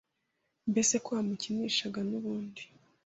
mbese ko wamukinishaga nubundi.